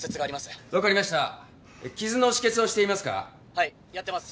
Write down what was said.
はいやってます。